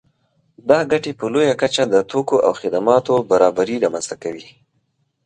دا ګټې په لویه کچه د توکو او خدماتو برابري رامنځته کوي